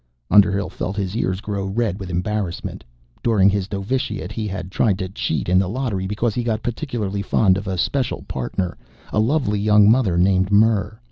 Underhill felt his ears grow red with embarrassment. During his novitiate, he had tried to cheat in the lottery because he got particularly fond of a special Partner, a lovely young mother named Murr.